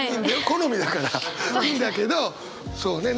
好みだからいいんだけどそうね